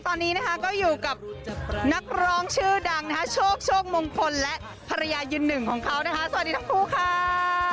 ตอนนี้นะคะก็อยู่กับนักร้องชื่อดังนะคะโชคโชคมงคลและภรรยายืนหนึ่งของเขานะคะสวัสดีทั้งคู่ค่ะ